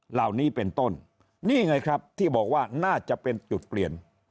เหล่านี้เป็นต้นนี่ไงครับที่บอกว่าน่าจะเป็นจุดเปลี่ยน